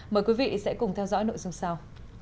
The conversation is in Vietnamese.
mời quý vị sẽ cùng theo dõi nội dung sau